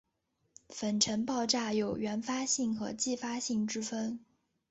粉尘爆炸有原发性和继发性之分。